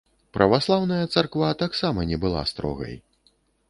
Праваслаўная царква таксама не была строгай.